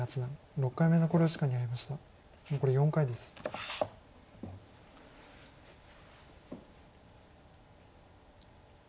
残り４回です。